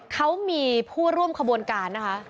เขามีผู้ร่วมขบวนการนะคะ